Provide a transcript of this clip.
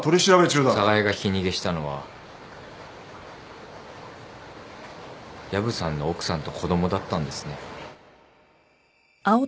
寒河江がひき逃げしたのは薮さんの奥さんと子供だったんですね。